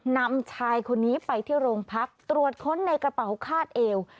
นำชายคนนี้ไปที่โรงพักตรวจค้นในกระเป๋าคาดเอว